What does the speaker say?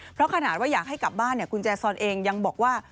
เพราะขนาดว่าอยากให้กลับบ้านคุณแจซอนเองยังบอกว่า